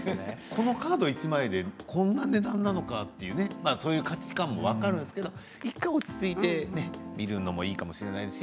このカード１枚でこんな値段なのか？ってそういう価値観も分かるんですけど１回落ち着いてみるのもいいかもしれないし